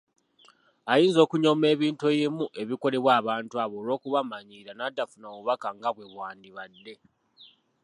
Ayinza okunyooma ebintu ebimu ebikolebwa abantu abo olw’okubamanyiira n'atafuna bubaka nga bwe bwandibadde.